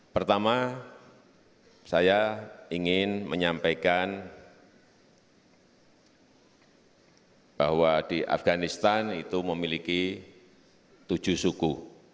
pertama saya ingin menyampaikan bahwa di afganistan itu memiliki tujuh suku